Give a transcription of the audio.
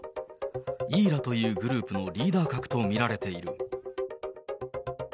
イーラというグループのリーダー格と見られている。